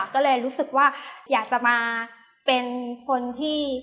ก็เลยรู้สึกว่าอยากจะมาเป็นคนที่